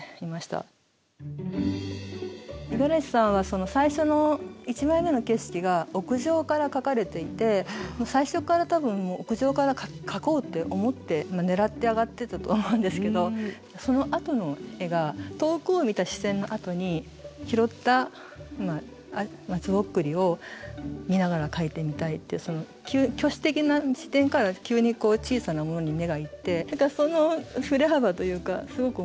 五十嵐さんは最初の１枚目の景色が屋上から描かれていて最初から多分もう屋上から描こうって思って狙って上がってたと思うんですけどそのあとの絵が遠くを見た視線のあとに拾った松ぼっくりを見ながら描いてみたいっていう巨視的な視点から急に小さなものに目が行ってその振れ幅というかすごく面白いなって。